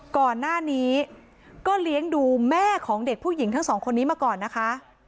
ก่อนหน้านี้ก็เลี้ยงดูแม่ของเด็กผู้หญิงทั้งสองคนนี้มาก่อนนะคะ